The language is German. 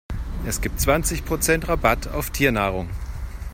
Es gibt zwanzig Prozent Rabatt auf Tiernahrung.